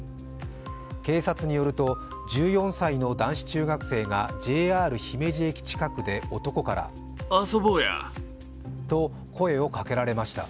警察によると１４歳の男子中学生がＪＲ姫路駅近くで男からと、声をかけられました。